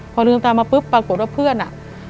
พอลืมตามาปุ๊บปรากฏว่าเพื่อนอ่ะ